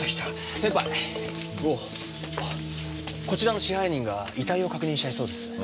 こちらの支配人が遺体を確認したいそうです。